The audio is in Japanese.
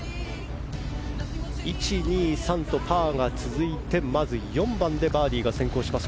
１、２、３とパーが続いてまず４番でバーディーが先行します。